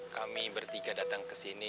kami bertiga datang kesini